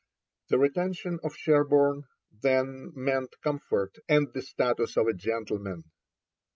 The retention of Sherborne, then, meant comfort and the status of a gentleman.